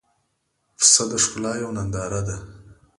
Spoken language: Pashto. پسه د ښکلا یوه ننداره ده.